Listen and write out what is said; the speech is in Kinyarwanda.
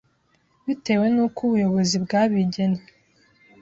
bitewe n’uko ubuyobozi bwabigennye